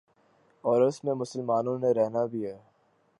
اور اس میں مسلمانوں نے رہنا بھی ہے۔